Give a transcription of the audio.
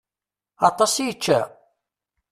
Aṭas i yečča?